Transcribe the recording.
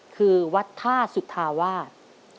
คือวัดท่าสุธาวาส